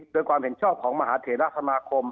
โดยความเห็นชอบของมหาเถระสมาคม